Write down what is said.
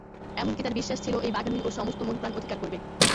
এমন-কি, তাঁর বিশ্বাস ছিল এই বাগানই ওর সমস্ত মনপ্রাণ অধিকার করবে।